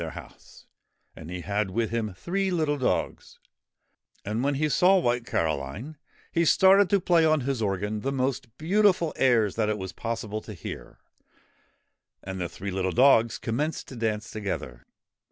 See page 17 WHITE CAROLINE AND BLACK CAROLINE house : and he had with him three little dogs ; and, when he saw White Caroline, he started to play on his organ the most beautiful airs that it was possible to hear, and the three little dogs commenced to dance together.